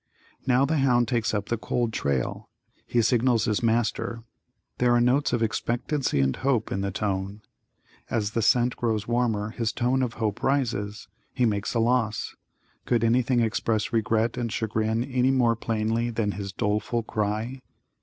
Now the hound takes up the cold trail. He signals his master there are notes of expectancy and hope in the tone. As the scent grows warmer, his tone of hope rises. He makes a loss. Could anything express regret and chagrin any more plainly than his doleful cry?